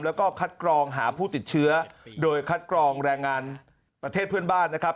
แล้วก็คัดกรองหาผู้ติดเชื้อโดยคัดกรองแรงงานประเทศเพื่อนบ้านนะครับ